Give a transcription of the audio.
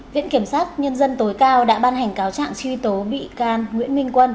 viện kiểm sát nhân dân tối cao đã ban hành cáo trạng truy tố bị can nguyễn minh quân